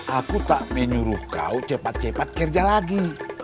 aku tak menyuruh kau cepat cepat kerja lagi